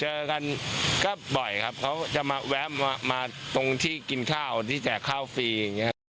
เจอกันก็บ่อยครับเขาจะมาแวะมาตรงที่กินข้าวที่แดกข้าวฟรี